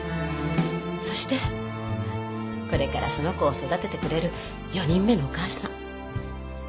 そしてこれからその子を育ててくれる４人目のお母さん。